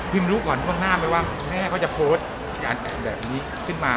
พิมรู้ก่อนข้างหน้าไหมว่าแค่เขาจะโพสต์แบบนี้ขึ้นมา